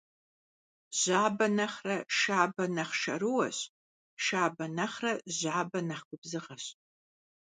Жьабэ нэхърэ шабэ нэхъ шэрыуэщ, шабэ нэхърэ жьабэ нэхъ губзыгъэщ.